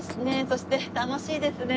そして楽しいですね。